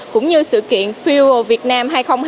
cũng như sự kiện build vietnam hai nghìn hai mươi hai